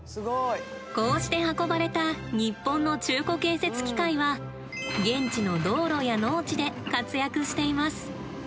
こうして運ばれた日本の中古建設機械は現地の道路や農地で活躍しています。